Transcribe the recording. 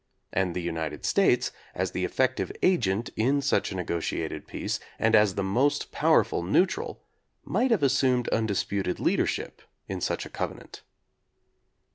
And the United States, as the effective agent in such a negotiated peace and as the most powerful neutral, might have assumed undisputed leader ship in such a covenant.